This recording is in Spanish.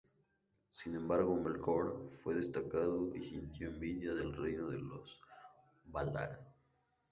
Sin embargo, Melkor fue desencadenado y sintió envidia del reino de los Valar.